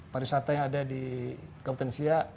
pariwisata yang ada di kabupaten siak